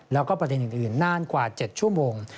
แล้วก็ประเด็นอื่นนานกว่า๗ชั่วโมง